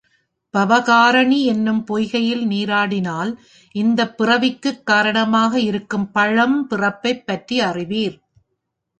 பவகாரணி என்னும் பொய்கையில் நீராடினால் இந்தப் பிறவிக்குக் காரணமாக இருக்கும் பழம் பிறப்பைப் பற்றி அறிவீர்.